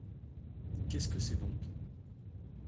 Qu'est-ce que c'est donc ?